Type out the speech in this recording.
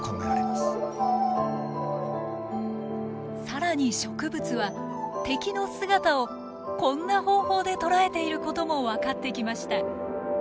更に植物は敵の姿をこんな方法で捉えていることも分かってきました。